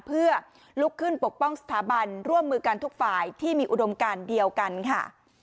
เพื่อลุกขึ้นปกป้องสถาบันร่วมมือกันทุกฝ่ายที่มีอุดมการเดียวกันค่ะ